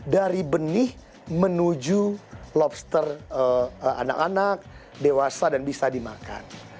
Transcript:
dari benih menuju lobster anak anak dewasa dan bisa dimakan